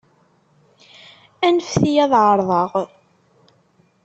Anfet-iyi ad εerḍeɣ.